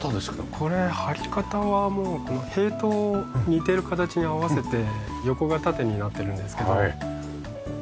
これ張り方はもう塀と似ている形に合わせて横が縦になってるんですけども。